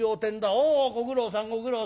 おおご苦労さんご苦労さん。